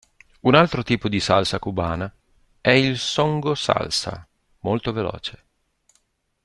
Un altro tipo di salsa cubana è il songo-salsa, molto veloce.